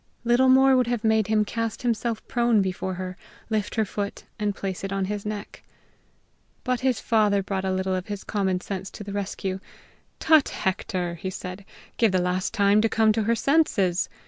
Little more would have made him cast himself prone before her, lift her foot, and place it on his neck. But his father brought a little of his common sense to the rescue. "Tut, Hector!" he said; "give the lass time to come to her senses.